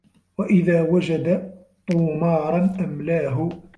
وَإِذَا وَجَدَ طُومَارًا أَمْلَاهُ